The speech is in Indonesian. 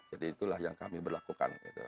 jadi itulah yang kami berlakukan